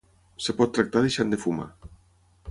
Es pot tractar deixant de fumar.